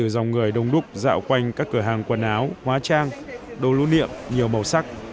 với đông đúc dạo quanh các cửa hàng quần áo hóa trang đồ lũ niệm nhiều màu sắc